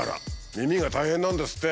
耳が大変なんですって。